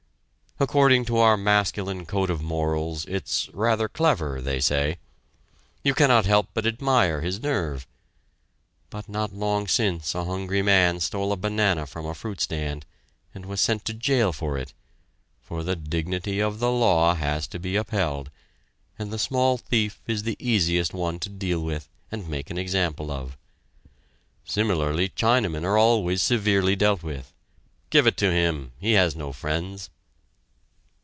According to our masculine code of morals it's "rather clever" they say. "You cannot help but admire his nerve!" But not long since a hungry man stole a banana from a fruit stand and was sent to jail for it, for the dignity of the law has to be upheld, and the small thief is the easiest one to deal with and make an example of. Similarly Chinamen are always severely dealt with. Give it to him! He has no friends!